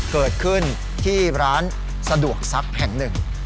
เกิดขึ้นที่ร้านสะดวกซักแห่งหนึ่ง